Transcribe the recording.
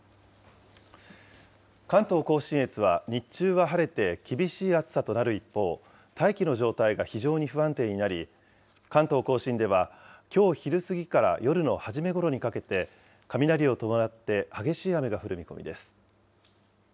関東甲信越は日中は晴れて、厳しい暑さとなる一方、大気の状態が非常に不安定になり、関東甲信ではきょう昼過ぎから夜の初めごろにかけて、雷を伴って、激しい雨が降る見込みです。